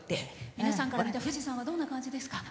皆さんから見た富士山はどんな感じですか？